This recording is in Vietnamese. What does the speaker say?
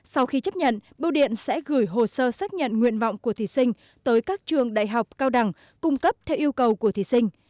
sau khi chấp nhận bưu điện sẽ gửi hồ sơ xác nhận nguyện vọng của thí sinh tới các trường đại học cao đẳng cung cấp theo yêu cầu của thí sinh